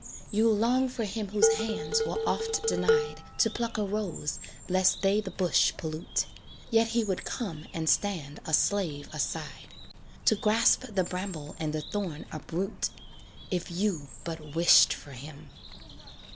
You'll long for him whose hands were oft denied To pluck a rose lest they the bush pollute Yet he would come and stand a slave aside. To grasp the bramble and the thorn uproot, If you but wished for him.